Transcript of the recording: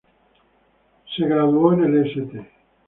Se graduó en el St.